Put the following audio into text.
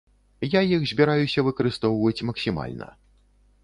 Я іх збіраюся выкарыстоўваць максімальна.